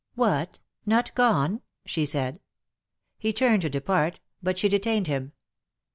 " What! not gone ? she said. He turned to depart, but she detained him.